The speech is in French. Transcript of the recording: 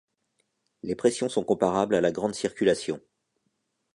Les pressions sont comparables à la grande circulation.